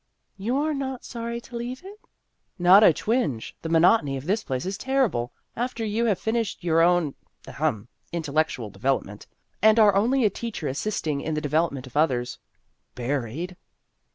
" You are not sorry to leave it ?"" Not a twinge ! The monotony of this place is terrible, after you have finished your own ahem intellectual develop ment, and are only a teacher assisting in the development of others. Buried